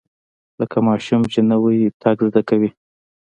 لکه ماشوم چې نوى تګ زده کوي.